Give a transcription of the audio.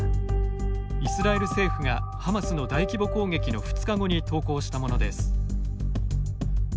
イスラエル政府がハマスの大規模攻撃の２日後に投稿したものです。